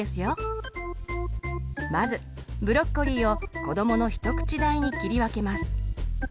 まずブロッコリーを子どもの一口大に切り分けます。